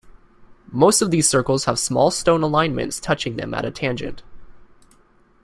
Most of these circles have small stone alignments touching them at a tangent.